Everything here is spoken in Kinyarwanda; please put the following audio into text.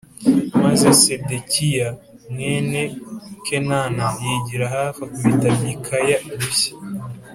Maze Sedekiya mwene Kenāna yigira hafi akubita Mikaya urushyi